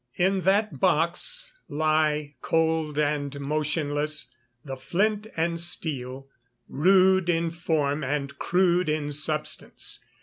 In that box lie, cold and motionless, the Flint and Steel, rude in form and crude in substance.